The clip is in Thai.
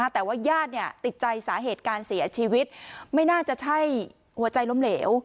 แต่ว่าญาติติดใจสาเหตุการเสียชีวิตไม่น่าจะใช่หัวใจล้มเหลว